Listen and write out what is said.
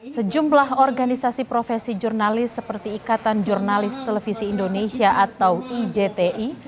sejumlah organisasi profesi jurnalis seperti ikatan jurnalis televisi indonesia atau ijti